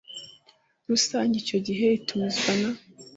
Rusange icyo gihe itumizwa na